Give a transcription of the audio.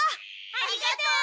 ありがとう！